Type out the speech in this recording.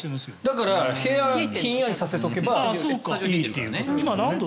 だから部屋をひんやりさせておけばいいということですね。